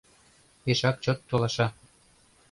Пешак чот толаша.